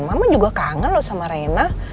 mama juga kangen loh sama renah